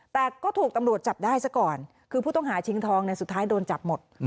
แต่ก็ถูกตำรวจจับได้ซะก่อนคือผู้ต้องหาชิงทองสุดท้ายโดนจับหมด